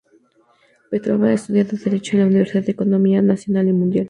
Petrova ha estudiado derecho en la Universidad de Economía Nacional y Mundial.